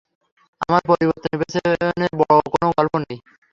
আমার পরিবর্তনের পেছনে বড় কোনো গল্প নেই।